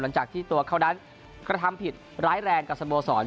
หลังจากที่ตัวเขานั้นกระทำผิดร้ายแรงกับสโมสร